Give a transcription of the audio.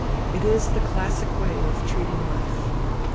It is the classic way of treating life.